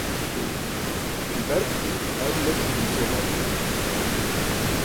Ji ber ku ew neçûbû sêvan